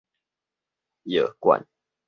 藥罐